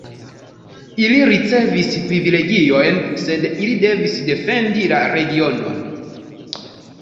Ili ricevis privilegiojn, sed ili devis defendi la regionon.